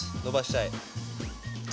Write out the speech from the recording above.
伸ばしたい。